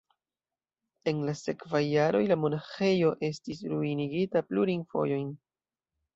En la sekvaj jaroj la monaĥejo estis ruinigita plurajn fojojn.